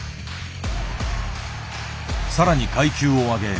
さらに階級を上げ